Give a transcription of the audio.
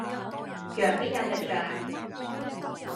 羊邊有隻象